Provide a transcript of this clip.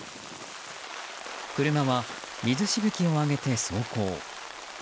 車は水しぶきを上げて走行。